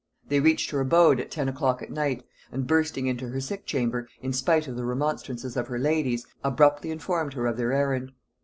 They reached her abode at ten o'clock at night, and bursting into her sick chamber, in spite of the remonstrances of her ladies, abruptly informed her of their errand.